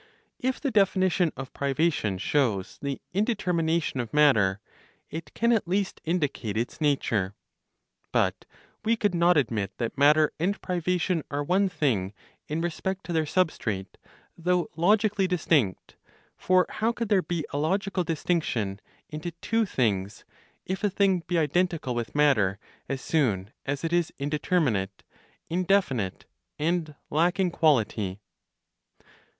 If the definition of privation shows the indetermination of matter, it can at least indicate its nature. But we could not admit that matter and privation are one thing in respect to their substrate, though logically distinct; for how could there be a logical distinction into two things, if a thing be identical with matter as soon as it is indeterminate, indefinite, and lacking quality?